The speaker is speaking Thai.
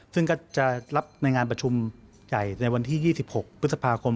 ซึ่งก็จะรับในงานประชุมใหญ่ในวันที่๒๖พฤษภาคม